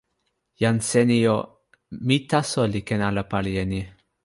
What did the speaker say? jan Seni o, mi taso li ken ala pali e ni.